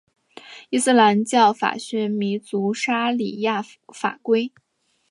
伊斯兰教法学补足沙里亚法规。